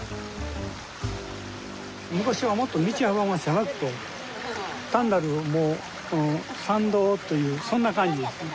昔はもっと道幅が狭くて単なる参道というそんな感じですね。